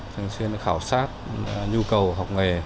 thường xuyên khảo sát nhu cầu học nghề